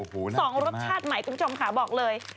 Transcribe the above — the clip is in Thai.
สองรสชาติใหม่คุณผู้ชมค่ะบอกเลย